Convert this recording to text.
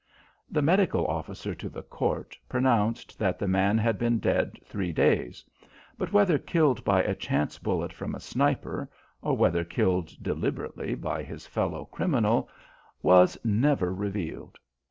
The medical officer to the Court pronounced that the man had been dead three days, but whether killed by a chance bullet from a sniper or whether killed deliberately by his fellow criminal was never revealed.